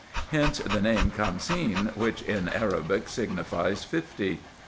Hence the name of camseen, which in Arabic signifies fifty.